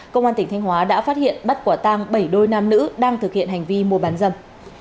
công an tỉnh thanh hóa đã phát hiện bắt quả tang bảy đôi nam nữ đang thực hiện hành vi mua bán dâm